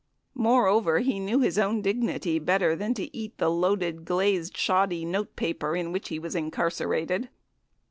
Moreover, he knew his own dignity better than to eat the "loaded" glazed shoddy note paper in which he was incarcerated.